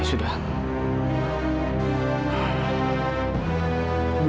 aku tahu sekali